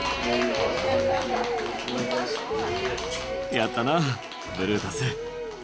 やったなブルータス。